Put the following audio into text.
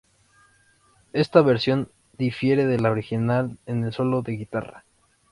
Esta versión difiere de la original en el solo de guitarra.